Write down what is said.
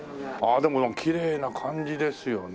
でもきれいな感じですよね。